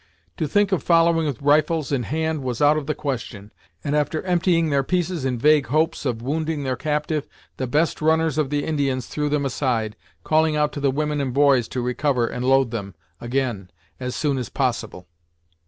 To think of following with rifles in hand was out of the question, and after emptying their pieces in vague hopes of wounding their captive, the best runners of the Indians threw them aside, calling out to the women and boys to recover and load them, again, as soon as possible.